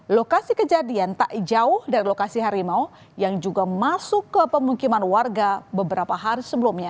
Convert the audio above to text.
lokasi kejadian tak jauh dari lokasi harimau yang juga masuk ke pemukiman warga beberapa hari sebelumnya